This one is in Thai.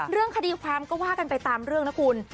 เรื่องคดีความก็ว่ากันไปตามเรื่องนะคุณ